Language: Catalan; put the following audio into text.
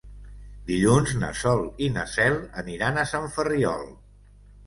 Dilluns na Sol i na Cel aniran a Sant Ferriol.